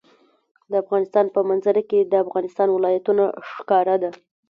د افغانستان په منظره کې د افغانستان ولايتونه ښکاره ده.